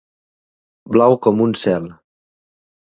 Blau com un cel.